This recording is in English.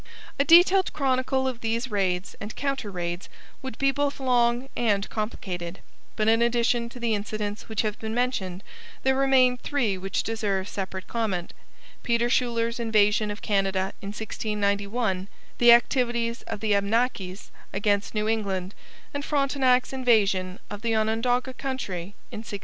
A detailed chronicle of these raids and counter raids would be both long and complicated, but in addition to the incidents which have been mentioned there remain three which deserve separate comment Peter Schuyler's invasion of Canada in 1691, the activities of the Abnakis against New England, and Frontenac's invasion of the Onondaga country in 1696.